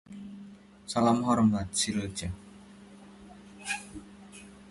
Salam hormat, Silja.